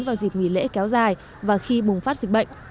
vào dịp nghỉ lễ kéo dài và khi bùng phát dịch bệnh